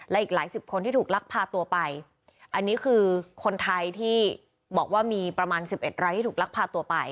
และอีกหลายสิบคนที่ถูกลักพาตัวไปอันนี้คือคนไทยที่บอกว่ามีประมาณสิบเอ็ดรายที่ถูกลักพาตัวไป